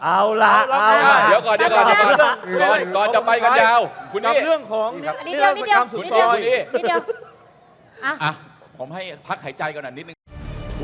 บ๊วยเอาล่ะเอาล่ะเดี๋ยวก่อนก่อนจะไปกันยาว